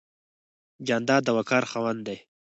جانداد د وقار خاوند دی.